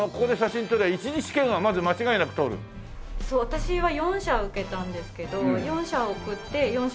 私は４社受けたんですけど４社送って４社全部通ったので。